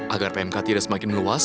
agar pmk tidak semakin meluas